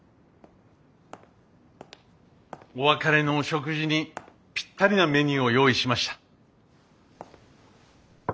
お別れのお食事にぴったりなメニューを用意しました。